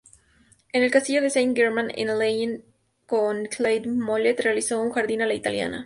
En el castillo de Saint-Germain-en-Laye con Claude Mollet realizó un jardín a la italiana.